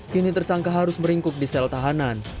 kini tersangka harus meringkuk di sel tahanan